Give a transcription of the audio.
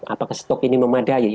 apakah stok ini memadai